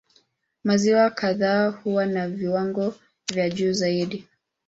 Maziwa kadhaa huwa na viwango vya juu zaidi.